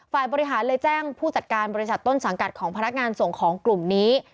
ฝ่ายบริหารเลยแจ้งผู้จัดการบริษัทต้นสังกัดของพนักงานส่งของกลุ่มนี้